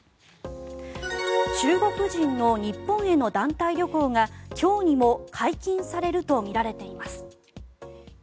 中国人の日本への団体旅行が今日にも解禁されるとみられています。